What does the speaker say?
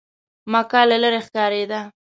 مکه له لرې ښکارېده.